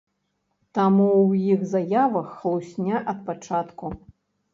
Таму ў іх заявах хлусня ад пачатку.